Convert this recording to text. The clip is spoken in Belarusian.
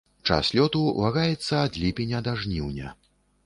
Час лёту вагаецца ад ліпеня да жніўня.